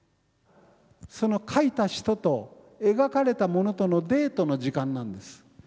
その描いた人と描かれたものとのデートの時間なんです。